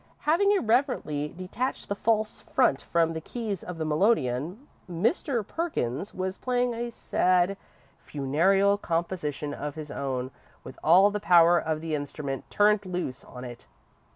Having irreverently detached the false front from the keys of the melodeon, Mr. Perkins was playing a sad, funereal composition of his own, with all the power of the instrument turned loose on it.